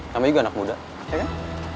kami juga anak muda ya kan